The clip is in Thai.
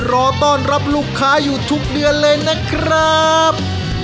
รอต้อนรับลูกค้าอยู่ทุกเดือนเลยนะครับ